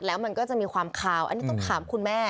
แล้วมันก็จะมีความคาวอันนี้ต้องถามคุณแม่